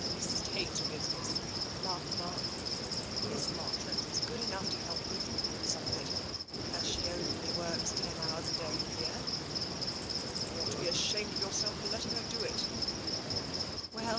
" Estate business," laughed Mark. " Miss March rose is good enough to help me through with some of it, as she only works ten hours a day here." " You ought to be ashamed of yourself for letting her do it."